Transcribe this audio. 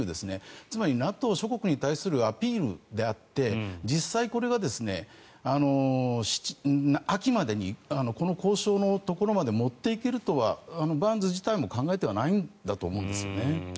つまりＮＡＴＯ諸国に対するアピールであって実際にこれが秋までにこの交渉のところまで持っていけるとはバーンズ自体も考えていないと思うんです。